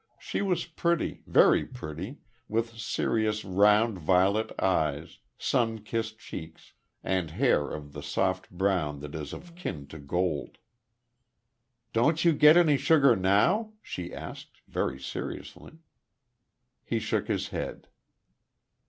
She was pretty very pretty with serious, round violet eyes, sun kissed cheeks, and hair of the soft brown that is of kin to gold. "Don't you get any sugar now?" she asked, very seriously. He shook his head.